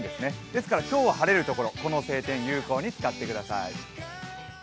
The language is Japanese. ですから今日は晴れる所、この晴天を有効に使ってください。